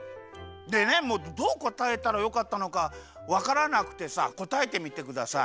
でねどうこたえたらよかったのかわからなくてさこたえてみてください。